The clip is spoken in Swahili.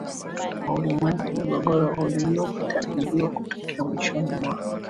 wa ulimwengu mgogoro uliotabiriwa kutokea mwishoni mwa